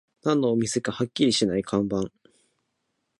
何のお店かはっきりしない看板